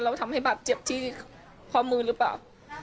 ทำให้บาดเจ็บที่ข้อมือหรือเปล่า